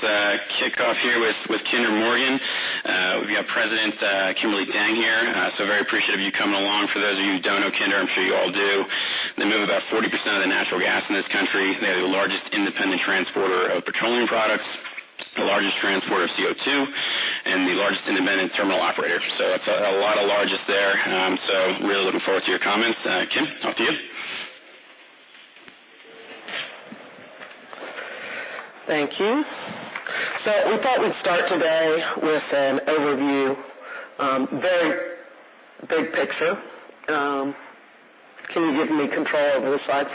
All right. Let's kick off here with Kinder Morgan. We've got President Kimberly Dang here. Very appreciative of you coming along. For those of you who don't know Kinder, I'm sure you all do, they move about 40% of the natural gas in this country. They are the largest independent transporter of petroleum products, the largest transporter of CO2, and the largest independent terminal operator. It's a lot of largest there. Really looking forward to your comments. Kim, off to you. Thank you. We thought we'd start today with an overview, very big picture. Can you give me control over the slides?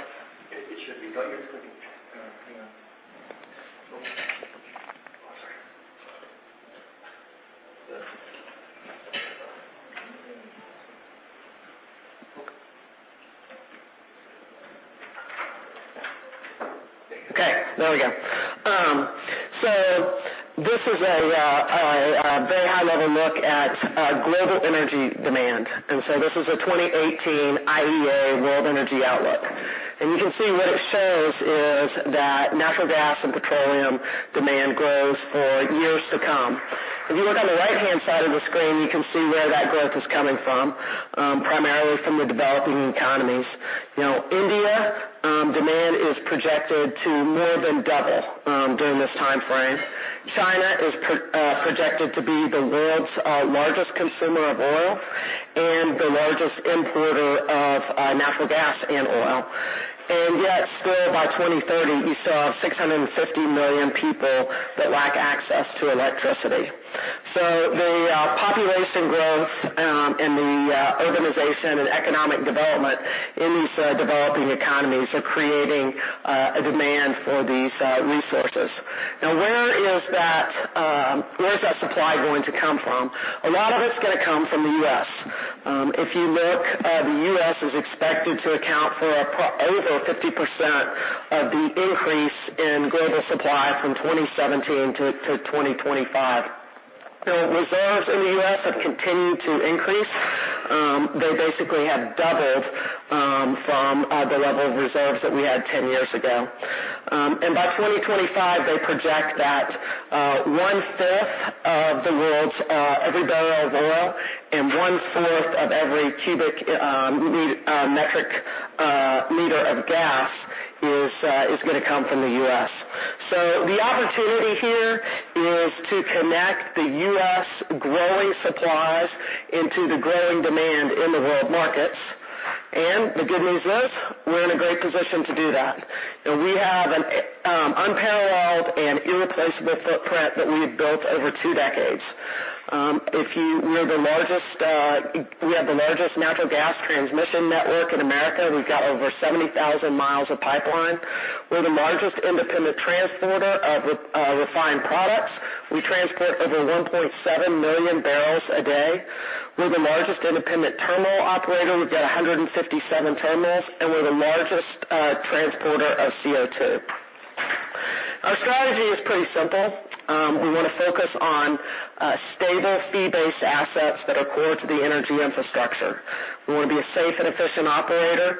It should be. Got you. Hang on. Sorry. Okay, there we go. This is a very high-level look at global energy demand. This is a 2018 IEA World Energy Outlook. You can see what it shows is that natural gas and petroleum demand grows for years to come. If you look on the right-hand side of the screen, you can see where that growth is coming from, primarily from the developing economies. India demand is projected to more than double during this timeframe. China is projected to be the world's largest consumer of oil and the largest importer of natural gas and oil. By 2030, we still have 650 million people that lack access to electricity. The population growth and the urbanization and economic development in these developing economies are creating a demand for these resources. Where is that supply going to come from? A lot of it's going to come from the U.S. If you look, the U.S. is expected to account for over 50% of the increase in global supply from 2017 to 2025. Reserves in the U.S. have continued to increase. They basically have doubled from the level of reserves that we had 10 years ago. By 2025, they project that one-fifth of the world's every barrel of oil and one-fourth of every cubic meter of gas is going to come from the U.S. The opportunity here is to connect the U.S. growing supplies into the growing demand in the world markets. The good news is we're in a great position to do that. We have an unparalleled and irreplaceable footprint that we've built over two decades. We have the largest natural gas transmission network in America. We've got over 70,000 mi of pipeline. We're the largest independent transporter of refined products. We transport over 1.7 million barrels a day. We're the largest independent terminal operator. We've got 157 terminals, and we're the largest transporter of CO2. Our strategy is pretty simple. We want to focus on stable fee-based assets that are core to the energy infrastructure. We want to be a safe and efficient operator.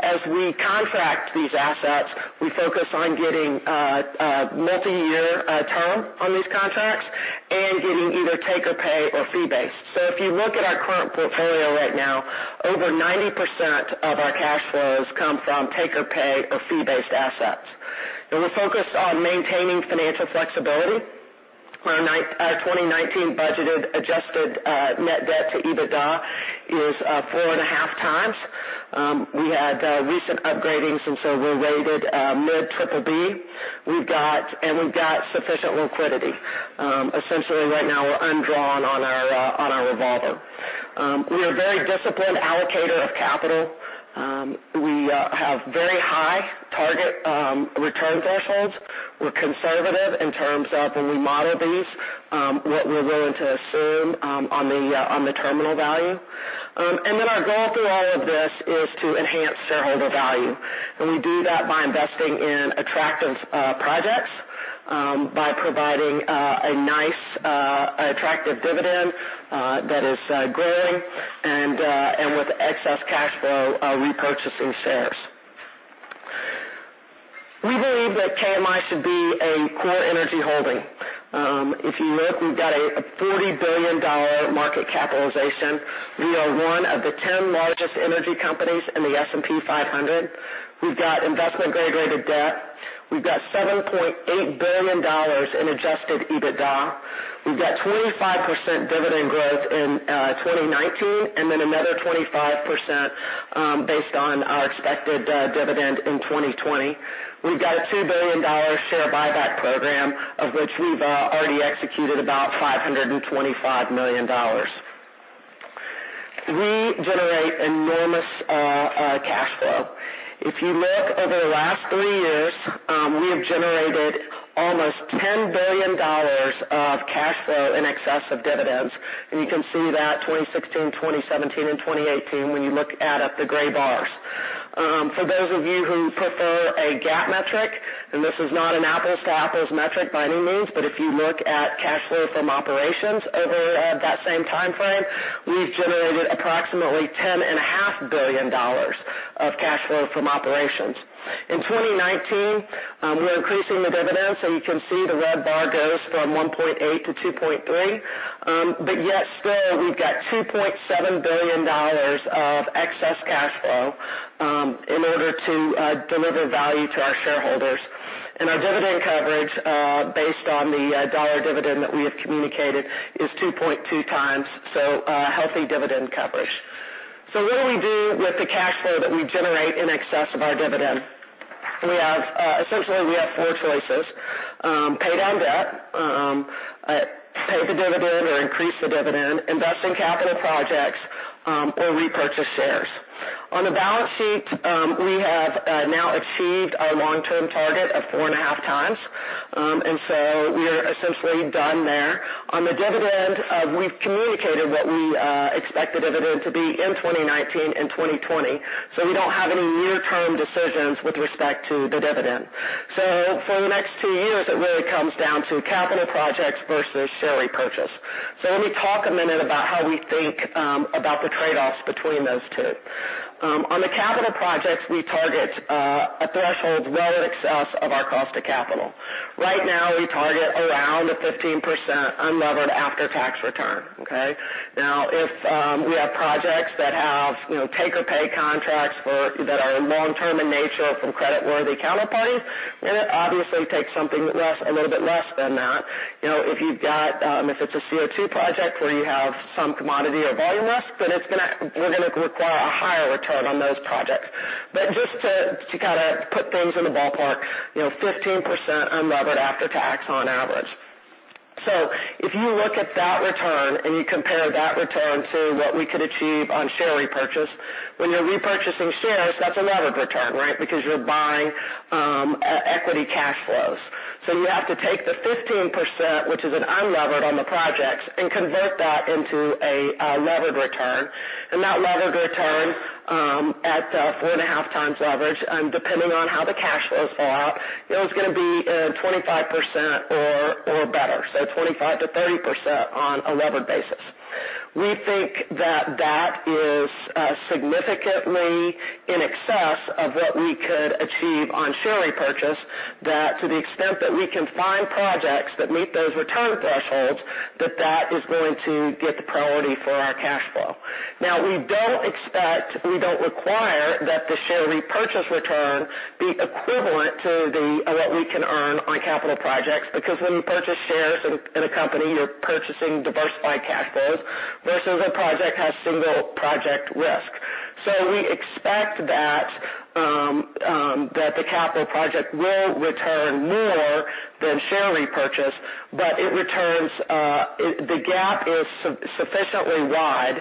As we contract these assets, we focus on getting a multi-year term on these contracts and getting either take-or-pay or fee-based. If you look at our current portfolio right now, over 90% of our cash flows come from take-or-pay or fee-based assets. We're focused on maintaining financial flexibility. Our 2019 budgeted adjusted net debt to EBITDA is 4.5x. We had recent upgradings, we're rated mid-triple B. We've got sufficient liquidity. Essentially right now, we're undrawn on our revolver. We're a very disciplined allocator of capital. We have very high target return thresholds. We're conservative in terms of when we model these what we're willing to assume on the terminal value. Our goal through all of this is to enhance shareholder value. We do that by investing in attractive projects, by providing a nice, attractive dividend that is growing, and with excess cash flow, repurchasing shares. We believe that KMI should be a core energy holding. If you look, we've got a $40 billion market capitalization. We are one of the 10 largest energy companies in the S&P 500. We've got investment-grade rated debt. We've got $7.8 billion in adjusted EBITDA. We've got 25% dividend growth in 2019, another 25% based on our expected dividend in 2020. We've got a $2 billion share buyback program, of which we've already executed about $525 million. We generate enormous cash flow. If you look over the last three years, we have generated almost $10 billion of cash flow in excess of dividends. You can see that 2016, 2017, and 2018 when you look at the gray bars. For those of you who prefer a GAAP metric, this is not an apples-to-apples metric by any means, if you look at cash flow from operations over that same timeframe, we've generated approximately $10.5 billion of cash flow from operations. In 2019, we're increasing the dividend, you can see the red bar goes from 1.8 to 2.3. Yet still, we've got $2.7 billion of excess cash flow in order to deliver value to our shareholders. Our dividend coverage, based on the dollar dividend that we have communicated, is 2.2x, a healthy dividend coverage. What do we do with the cash flow that we generate in excess of our dividend? Essentially, we have four choices: pay down debt, pay the dividend or increase the dividend, invest in capital projects, or repurchase shares. On the balance sheet, we have now achieved our long-term target of 4.5x. We're essentially done there. On the dividend, we've communicated what we expect the dividend to be in 2019 and 2020. We don't have any near-term decisions with respect to the dividend. For the next two years, it really comes down to capital projects versus share repurchase. Let me talk a minute about how we think about the trade-offs between those two. On the capital projects, we target a threshold well in excess of our cost of capital. Right now, we target around a 15% unlevered after-tax return, okay? If we have projects that have take-or-pay contracts that are long-term in nature from creditworthy counterparties, we're going to obviously take something a little bit less than that. If it's a CO2 project where you have some commodity or volume risk, we're going to require a higher return on those projects. Just to put things in the ballpark, 15% unlevered after-tax on average. If you look at that return and you compare that return to what we could achieve on share repurchase, when you're repurchasing shares, that's a levered return, right? Because you're buying equity cash flows. You have to take the 15%, which is an unlevered on the projects, and convert that into a levered return. That levered return at 4.5x leverage, depending on how the cash flows fall out, is going to be 25% or better. 25%-30% on a levered basis. We think that that is significantly in excess of what we could achieve on share repurchase, that to the extent that we can find projects that meet those return thresholds, that that is going to get the priority for our cash flow. We don't require that the share repurchase return be equivalent to what we can earn on capital projects, because when you purchase shares in a company, you're purchasing diversified cash flows, versus a project has single project risk. We expect that the capital project will return more than share repurchase, but the gap is sufficiently wide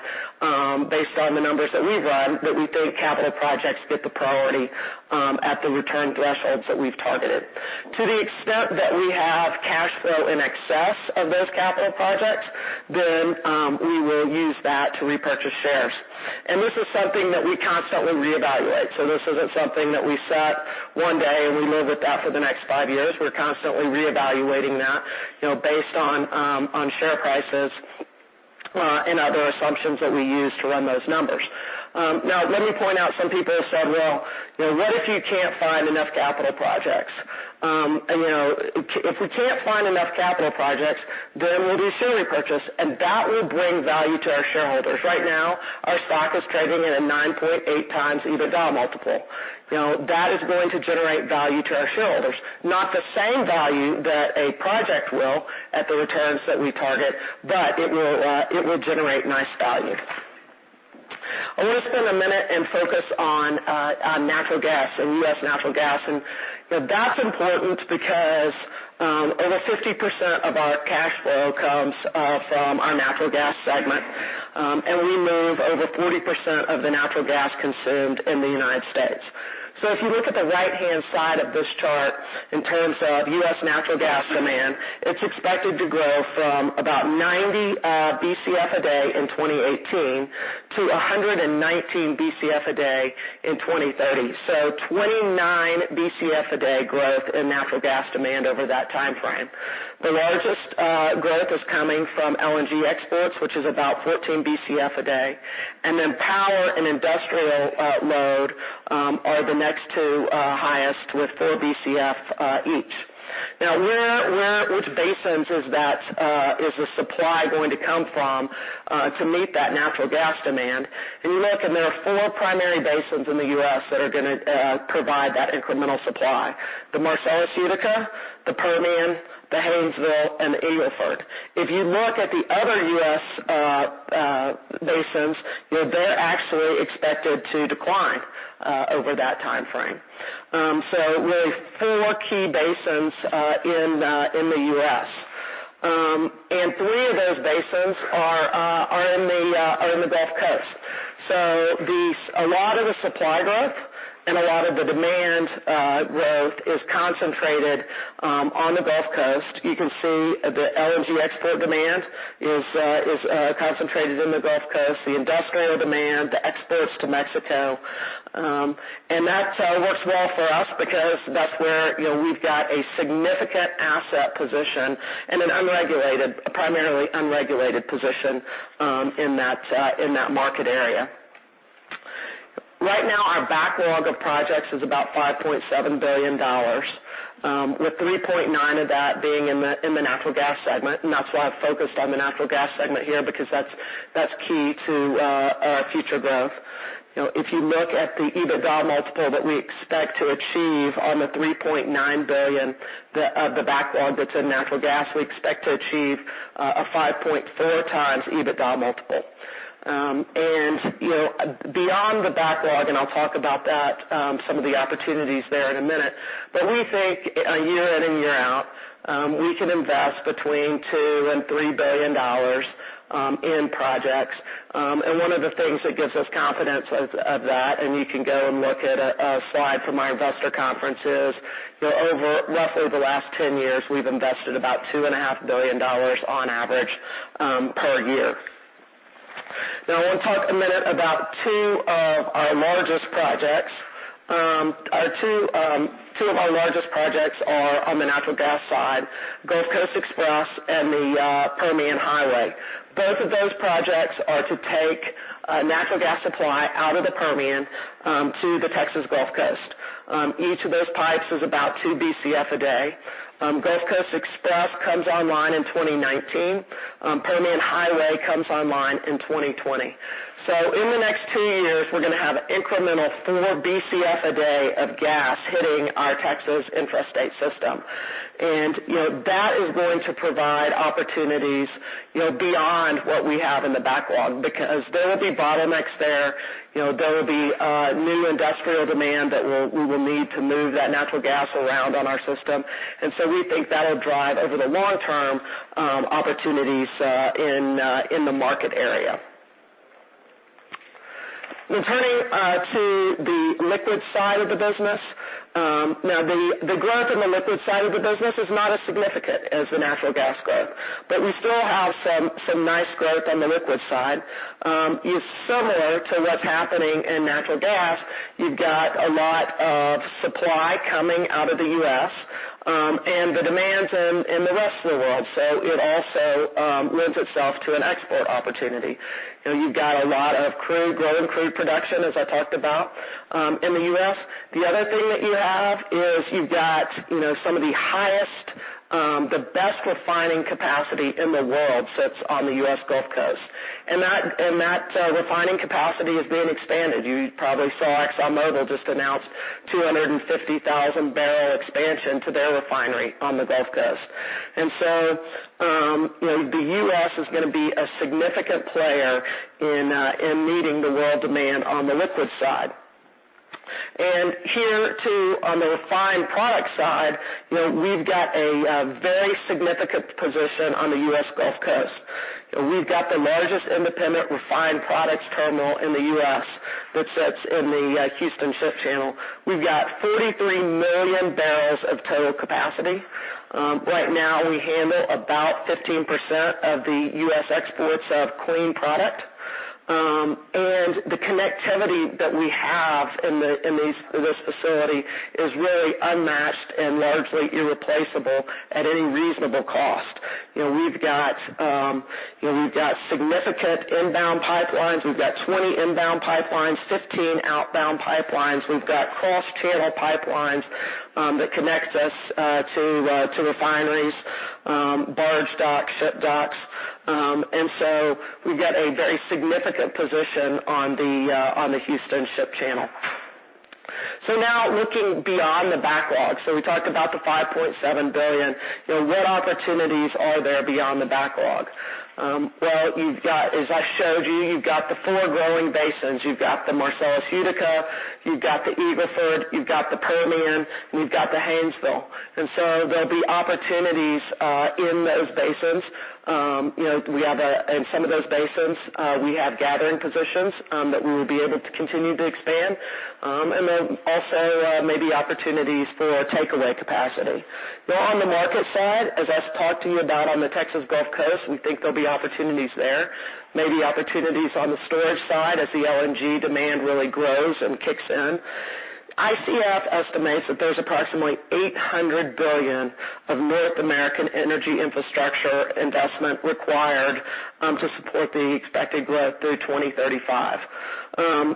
based on the numbers that we've run, that we think capital projects get the priority at the return thresholds that we've targeted. To the extent that we have cash flow in excess of those capital projects, then we will use that to repurchase shares. This is something that we constantly reevaluate. This isn't something that we set one day and we live with that for the next five years. We're constantly reevaluating that based on share prices and other assumptions that we use to run those numbers. Let me point out, some people have said, "Well, what if you can't find enough capital projects?" If we can't find enough capital projects, then we'll do share repurchase, and that will bring value to our shareholders. Right now, our stock is trading at a 9.8x EBITDA multiple. That is going to generate value to our shareholders. Not the same value that a project will at the returns that we target, but it will generate nice value. I want to spend a minute and focus on natural gas and U.S. natural gas. That's important because over 50% of our cash flow comes from our natural gas segment. We move over 40% of the natural gas consumed in the United States. If you look at the right-hand side of this chart in terms of U.S. natural gas demand, it's expected to grow from about 90 BCF a day in 2018 to 119 BCF a day in 2030. 29 BCF a day growth in natural gas demand over that timeframe. The largest growth is coming from LNG exports, which is about 14 BCF a day, and then power and industrial load are the next two highest with four BCF each. Which basins is the supply going to come from to meet that natural gas demand? If you look, there are four primary basins in the U.S. that are going to provide that incremental supply. The Marcellus Utica, the Permian, the Haynesville, and the Eagle Ford. If you look at the other U.S. basins, they're actually expected to decline over that timeframe. Really four key basins in the U.S. Three of those basins are in the Gulf Coast. A lot of the supply growth and a lot of the demand growth is concentrated on the Gulf Coast. You can see the LNG export demand is concentrated in the Gulf Coast, the industrial demand, the exports to Mexico. That works well for us because that's where we've got a significant asset position and a primarily unregulated position in that market area. Right now our backlog of projects is about $5.7 billion, with $3.9 billion of that being in the natural gas segment. That's why I've focused on the natural gas segment here, because that's key to our future growth. If you look at the EBITDA multiple that we expect to achieve on the $3.9 billion of the backlog that's in natural gas, we expect to achieve a 5.4x EBITDA multiple. Beyond the backlog, I'll talk about that, some of the opportunities there in a minute, but we think year in and year out, we can invest between $2 billion and $3 billion in projects. One of the things that gives us confidence of that, and you can go and look at a slide from our investor conference, is over roughly the last 10 years, we've invested about $2.5 billion on average per year. I want to talk a minute about two of our largest projects. Two of our largest projects are on the natural gas side, Gulf Coast Express and the Permian Highway. Both of those projects are to take natural gas supply out of the Permian to the Texas Gulf Coast. Each of those pipes is about two BCF a day. Gulf Coast Express comes online in 2019. Permian Highway comes online in 2020. In the next two years, we're going to have incremental four BCF a day of gas hitting our Texas intrastate system. That is going to provide opportunities beyond what we have in the backlog, because there will be bottlenecks there will be new industrial demand that we will need to move that natural gas around on our system. We think that'll drive over the long term, opportunities in the market area. Turning to the liquid side of the business. The growth in the liquid side of the business is not as significant as the natural gas growth, we still have some nice growth on the liquid side. It's similar to what's happening in natural gas. You've got a lot of supply coming out of the U.S., and the demand's in the rest of the world. It also lends itself to an export opportunity. You've got a lot of growing crude production, as I talked about in the U.S. The other thing that you have is you've got some of the highest, the best refining capacity in the world sits on the U.S. Gulf Coast. That refining capacity is being expanded. You probably saw ExxonMobil just announced 250,000 barrel expansion to their refinery on the Gulf Coast. The U.S. is going to be a significant player in meeting the world demand on the liquid side. Here too, on the refined product side, we've got a very significant position on the U.S. Gulf Coast. We've got the largest independent refined products terminal in the U.S. that sits in the Houston Ship Channel. We've got 43 million barrels of total capacity. Right now we handle about 15% of the U.S. exports of clean product. The connectivity that we have in this facility is really unmatched and largely irreplaceable at any reasonable cost. We've got significant inbound pipelines. We've got 20 inbound pipelines, 15 outbound pipelines. We've got cross channel pipelines that connect us to refineries, barge docks, ship docks. We've got a very significant position on the Houston Ship Channel. Now looking beyond the backlog. We talked about the $5.7 billion. What opportunities are there beyond the backlog? Well, as I showed you've got the four growing basins. You've got the Marcellus Utica, you've got the Eagle Ford, you've got the Permian, and you've got the Haynesville. There'll be opportunities in those basins. In some of those basins, we have gathering positions that we will be able to continue to expand. There also may be opportunities for takeaway capacity. On the market side, as I talked to you about on the Texas Gulf Coast, we think there'll be opportunities there. Maybe opportunities on the storage side as the LNG demand really grows and kicks in. ICF estimates that there's approximately $800 billion of North American energy infrastructure investment required to support the expected growth through 2035.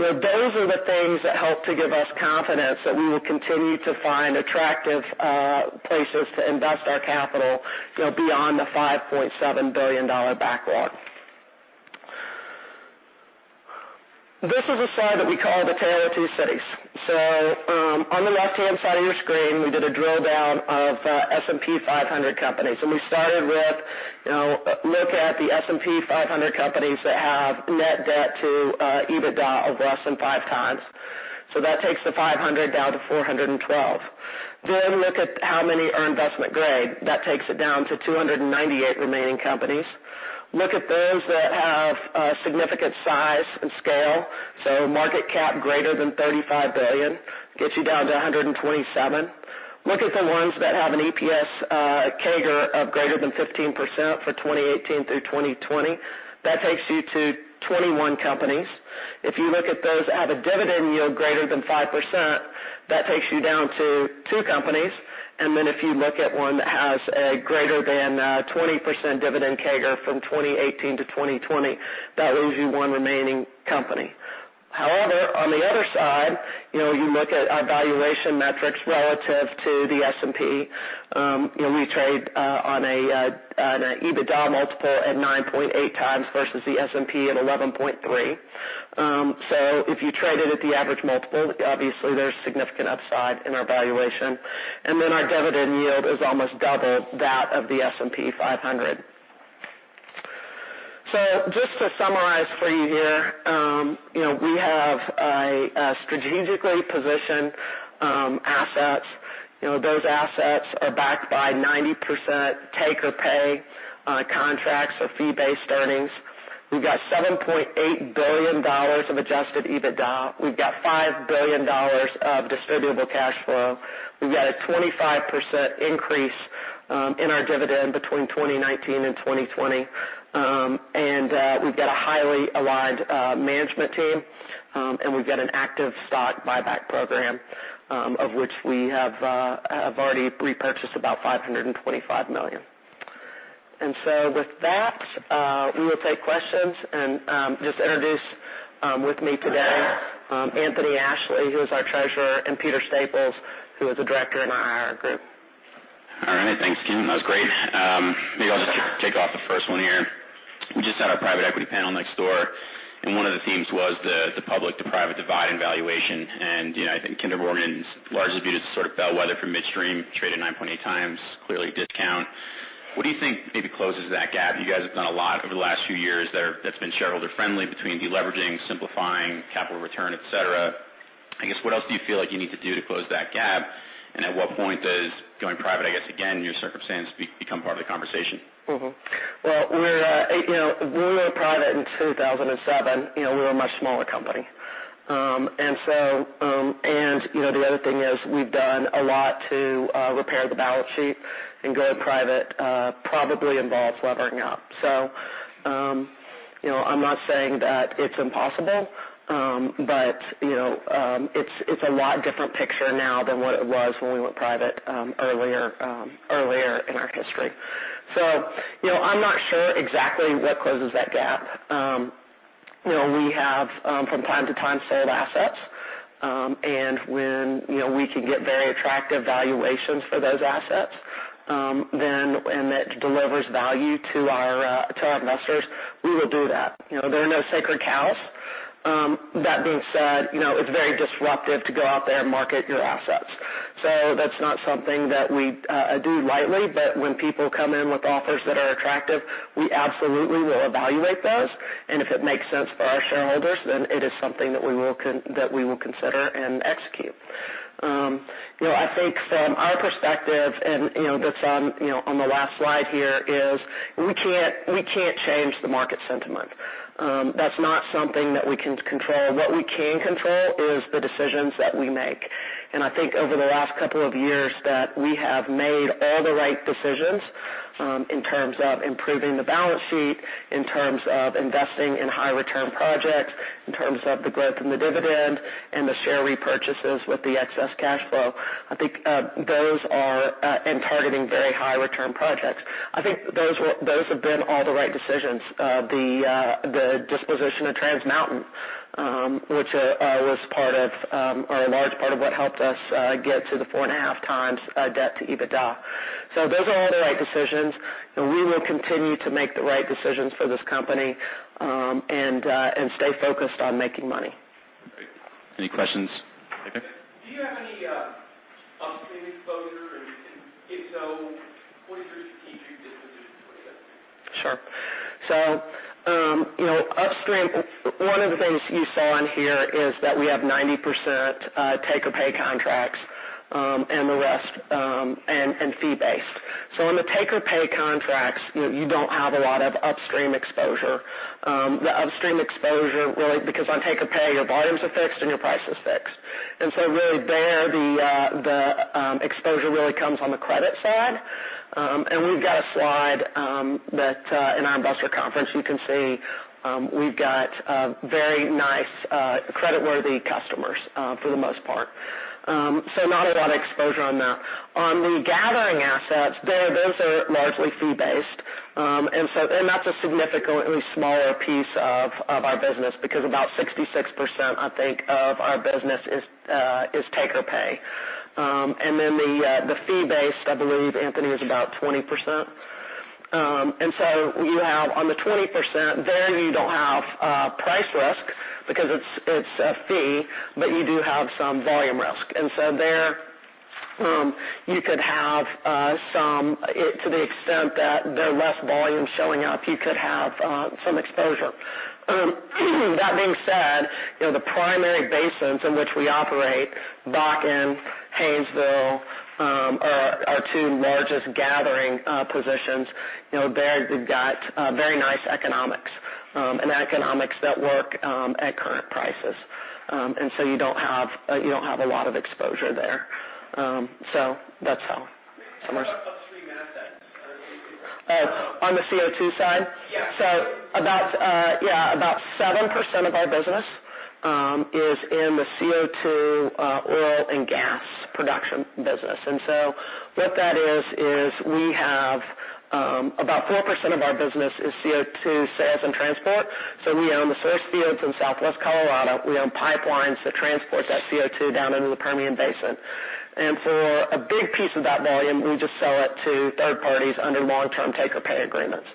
Those are the things that help to give us confidence that we will continue to find attractive places to invest our capital beyond the $5.7 billion backlog. This is a slide that we call the Tale of Two Cities. On the left-hand side of your screen, we did a drill down of S&P 500 companies. We started with look at the S&P 500 companies that have net debt to EBITDA of less than 5x. That takes the 500 down to 412. Look at how many are investment grade. That takes it down to 298 remaining companies. Look at those that have significant size and scale. Market cap greater than $35 billion gets you down to 127. Look at the ones that have an EPS CAGR of greater than 15% for 2018 through 2020. That takes you to 21 companies. If you look at those that have a dividend yield greater than 5%. That takes you down to two companies. If you look at one that has a greater than 20% dividend CAGR from 2018 to 2020, that leaves you one remaining company. However, on the other side, you look at our valuation metrics relative to the S&P. We trade on an EBITDA multiple at 9.8x versus the S&P at 11.3x. If you traded at the average multiple, obviously there is significant upside in our valuation. Our dividend yield is almost double that of the S&P 500. Just to summarize for you here, we have strategically positioned assets. Those assets are backed by 90% take-or-pay contracts or fee-based earnings. We have $7.8 billion of adjusted EBITDA. We have $5 billion of distributable cash flow. We have a 25% increase in our dividend between 2019 and 2020. We have a highly aligned management team, and we have an active stock buyback program. Of which we have already repurchased about $525 million. With that, we will take questions, and just introduce with me today, Anthony Ashley, who is our Treasurer, and Peter Staples, who is a Director in our group. All right. Thanks, Kim. That was great. Maybe I will just kick off the first one here. We just had our private equity panel next door, and one of the themes was the public to private divide and valuation. I think Kinder Morgan is largely viewed as sort of bellwether for midstream trade at 9.8x, clearly a discount. What do you think maybe closes that gap? You guys have done a lot over the last few years that has been shareholder friendly between deleveraging, simplifying capital return, et cetera. What else do you feel like you need to do to close that gap? At what point does going private, I guess again, your circumstance become part of the conversation? When we went private in 2007, we were a much smaller company. The other thing is we have done a lot to repair the balance sheet, and going private probably involves levering up. I am not saying that it is impossible. It is a lot different picture now than what it was when we went private earlier in our history. I am not sure exactly what closes that gap. We have from time to time sold assets, and when we can get very attractive valuations for those assets, and that delivers value to our investors, we will do that. There are no sacred cows. That being said, it is very disruptive to go out there and market your assets. That is not something that we do lightly. When people come in with offers that are attractive, we absolutely will evaluate those. If it makes sense for our shareholders, it is something that we will consider and execute. I think from our perspective, that's on the last slide here, is we can't change the market sentiment. That's not something that we can control. What we can control is the decisions that we make. I think over the last couple of years that we have made all the right decisions in terms of improving the balance sheet, in terms of investing in high return projects, in terms of the growth in the dividend and the share repurchases with the excess cash flow, and targeting very high return projects. I think those have been all the right decisions. The disposition of Trans Mountain, which was a large part of what helped us get to the 4.5x debt to EBITDA. Those are all the right decisions, and we will continue to make the right decisions for this company, and stay focused on making money. Great. Any questions? Okay. Do you have any upstream exposure? If so, what is your strategic disposition to that? Sure. Upstream, one of the things you saw on here is that we have 90% take-or-pay contracts and fee-based. On the take-or-pay contracts, you don't have a lot of upstream exposure. The upstream exposure really, because on take-or-pay, your volumes are fixed and your price is fixed. Really there, the exposure really comes on the credit side. We've got a slide that in our investor conference you can see, we've got very nice creditworthy customers for the most part. Not a lot of exposure on that. On the gathering assets, those are largely fee based. That's a significantly smaller piece of our business because about 66%, I think, of our business is take-or-pay. Then the fee based, I believe, Anthony, is about 20%. You have on the 20%, there you don't have price risk because it's a fee, but you do have some volume risk. There, you could have some, to the extent that there are less volume showing up, you could have some exposure. That being said, the primary basins in which we operate, Bakken, Haynesville, are our two largest gathering positions. There we've got very nice economics, and economics that work at current prices. You don't have a lot of exposure there. That's how. Summarize. Oh, on the CO2 side? Yeah. About 7% of our business is in the CO2 oil and gas production business. What that is we have about 4% of our business is CO2 sales and transport. We own the source fields in southwest Colorado. We own pipelines that transport that CO2 down into the Permian Basin. For a big piece of that volume, we just sell it to third parties under long-term take-or-pay agreements.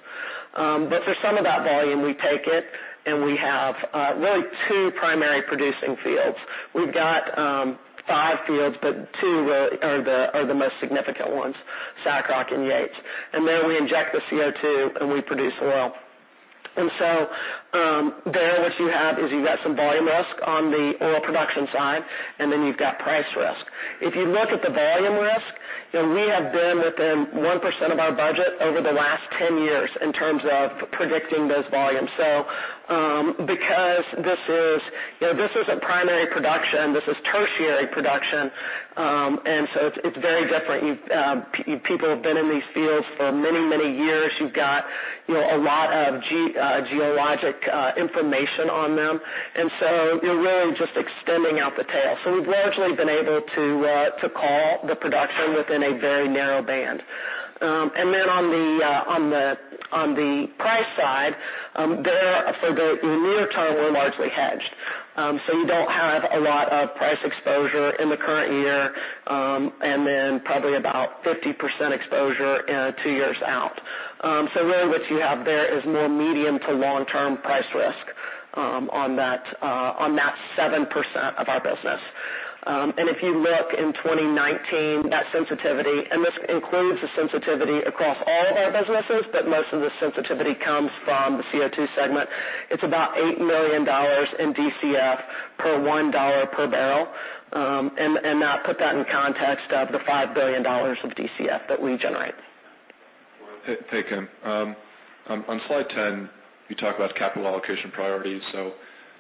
For some of that volume, we take it, and we have really two primary producing fields. We've got five fields, but two are the most significant ones, SACROC and Yates. There we inject the CO2, and we produce oil. There what you have is you've got some volume risk on the oil production side, and then you've got price risk. If you look at the volume risk, we have been within 1% of our budget over the last 10 years in terms of predicting those volumes. Because this is a primary production, this is tertiary production. It's very different. People have been in these fields for many, many years. You've got a lot of geologic information on them. You're really just extending out the tail. We've largely been able to call the production within a very narrow band. Then on the price side, near term, we're largely hedged. You don't have a lot of price exposure in the current year, and then probably about 50% exposure two years out. Really what you have there is more medium to long-term price risk on that 7% of our business. If you look in 2019, that sensitivity, and this includes the sensitivity across all our businesses, but most of the sensitivity comes from the CO2 segment. It's about $8 million in DCF per $1 per barrel. Now put that in context of the $5 billion of DCF that we generate. Hey, Kim. On slide 10, you talk about capital allocation priorities.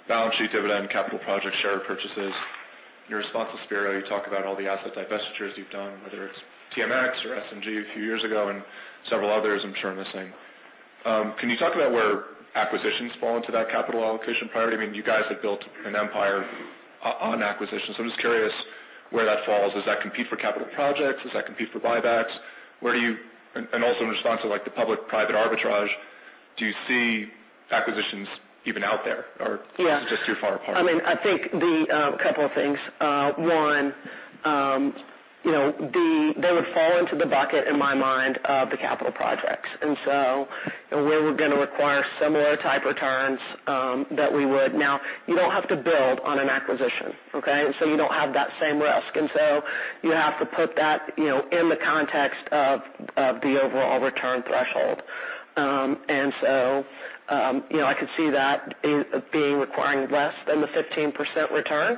Balance sheet, dividend, capital project, share purchases. In your response to Spiro, you talk about all the asset divestitures you've done, whether it's TMX or SNG a few years ago, and several others I'm sure I'm missing. Can you talk about where acquisitions fall into that capital allocation priority? I mean, you guys have built an empire on acquisitions. I'm just curious where that falls. Does that compete for capital projects? Does that compete for buybacks? Also in response to the public-private arbitrage, do you see acquisitions even out there or Yeah Is it just too far apart? I think a couple of things. One, they would fall into the bucket, in my mind, of the capital projects. Where we're going to require similar type returns that we would. Now, you don't have to build on an acquisition. Okay? You don't have that same risk. You have to put that in the context of the overall return threshold. I could see that requiring less than the 15% return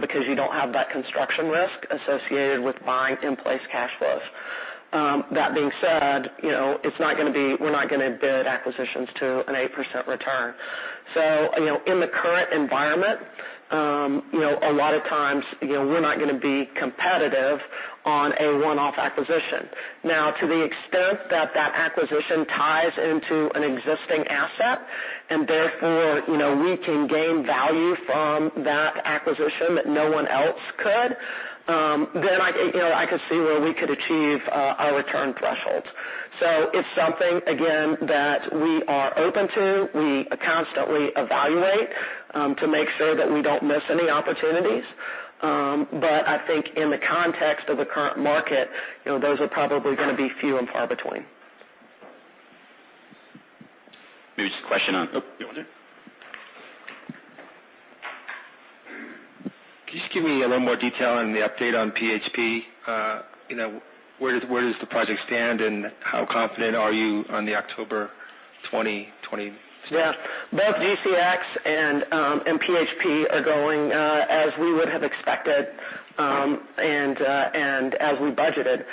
because you don't have that construction risk associated with buying in-place cash flows. That being said, we're not going to bid acquisitions to an 8% return. In the current environment, a lot of times we're not going to be competitive on a one-off acquisition. To the extent that that acquisition ties into an existing asset and therefore we can gain value from that acquisition that no one else could, then I could see where we could achieve our return thresholds. It's something, again, that we are open to. We constantly evaluate to make sure that we don't miss any opportunities. I think in the context of the current market, those are probably going to be few and far between. Maybe just a question. Oh, you want to? Can you just give me a little more detail on the update on PHP? Where does the project stand, and how confident are you on the October 2020? Yeah. Both GCX and PHP are going as we would have expected and as we budgeted.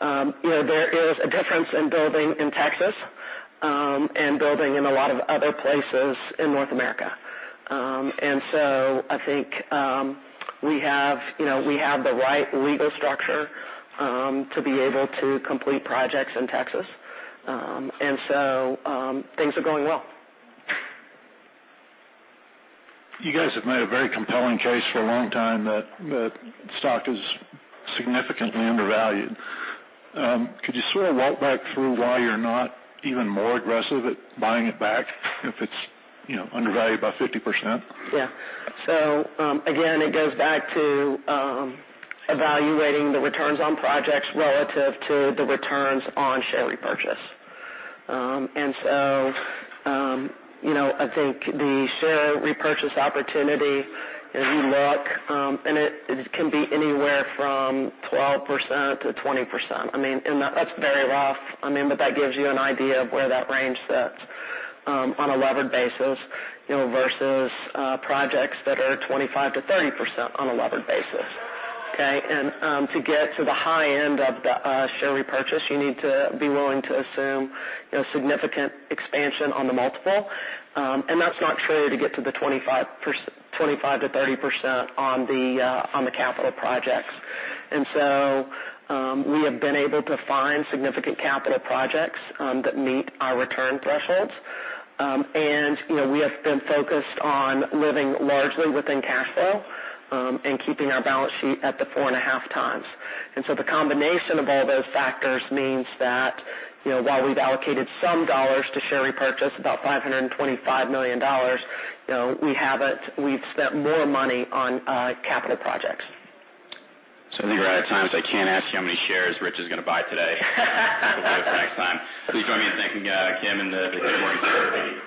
There is a difference in building in Texas and building in a lot of other places in North America. I think we have the right legal structure to be able to complete projects in Texas. Things are going well. You guys have made a very compelling case for a long time that stock is significantly undervalued. Could you sort of walk back through why you're not even more aggressive at buying it back if it's undervalued by 50%? Yeah. Again, it goes back to evaluating the returns on projects relative to the returns on share repurchase. I think the share repurchase opportunity, as we look, I mean, that's very rough. That gives you an idea of where that range sits on a levered basis versus projects that are 25%-30% on a levered basis. Okay? To get to the high end of the share repurchase, you need to be willing to assume significant expansion on the multiple. That's not true to get to the 25%-30% on the capital projects. We have been able to find significant capital projects that meet our return thresholds. We have been focused on living largely within cash flow and keeping our balance sheet at the 4.5x. The combination of all those factors means that while we've allocated some dollars to share repurchase, about $525 million, we've spent more money on capital projects. I think we're out of time, I can't ask you how many shares Rich is going to buy today. We'll do it for next time. Please join me in thanking Kim and the team once again for being here.